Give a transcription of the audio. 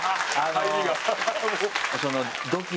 入りが。